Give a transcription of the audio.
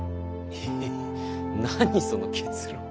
え何その結論。